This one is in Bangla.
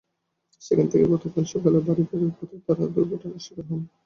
সেখান থেকে গতকাল সকালে বাড়ি ফেরার পথে তাঁরা দুর্ঘটনার শিকার হন।